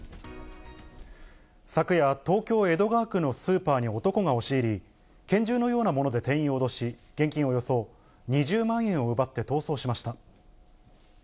昨夜、東京・江戸川区のスーパーに男が押し入り、拳銃のようなもので店員を脅し、現金およそ２０万円を奪って逃走しました。